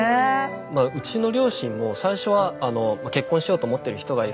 まあうちの両親も最初は結婚しようと思ってる人がいると。